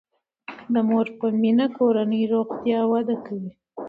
د مور په مټه کورنی روغتیا وده کوي.